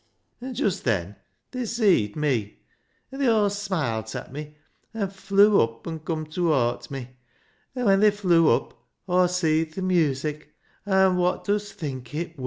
An' just then they seed me, an' they aw smilt at me, an' flew up an' cum towart me, an' when they flew up Aw seed th' music, an' wot dust think it wur?